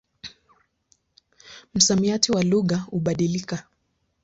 Msamiati wa lugha hubadilika.